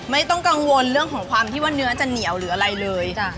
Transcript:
ไม่ต้องกังวลเรื่องของความที่ว่าเนื้อจะเหนียวหรืออะไรเลย